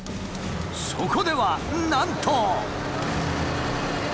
そこではなんと。